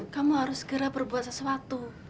kamu harus segera berbuat sesuatu